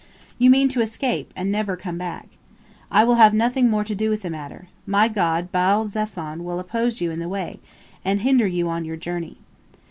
You mean to escape and never come back. I will have nothing more to do with the matter. My god Baal zephon will oppose you in the way, and hinder you on your journey."